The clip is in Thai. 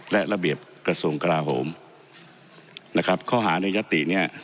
และระเบียบกระทรวงกราโหมนะครับข้อหาในยติเนี่ย